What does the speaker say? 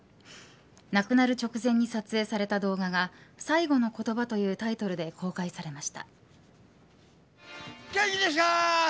亡くなる直前に撮影された動画が最期の言葉というタイトルで公開されました。